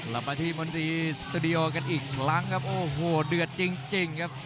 เรามาที่มนตรีสตูดิโอกันอีกครั้งครับโอ้โหเดือดจริงครับ